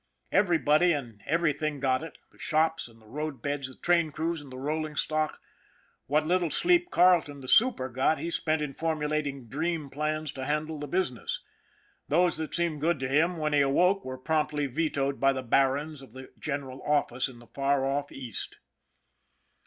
Everybody and everything got it, the shops and the road beds, the train crews and the rolling stock. What little sleep Carleton, the super, got, he spent in formu lating dream plans to handle the business. Those that seemed good to him when he awoke were promptly vetoed by the barons of the General Office in the far off East.